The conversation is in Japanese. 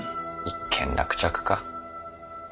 一件落着か。